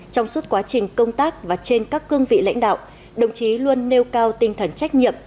trong suốt quá trình công tác và trên các cương vị lãnh đạo đồng chí luôn nêu cao tinh thần trách nhiệm